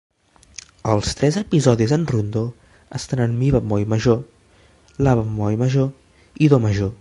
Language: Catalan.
Els tres episodis en rondó estan en Mi bemoll major, La bemoll major i Do major.